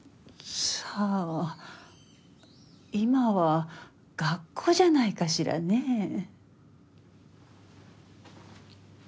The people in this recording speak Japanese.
今は学校じゃないかしらねえ。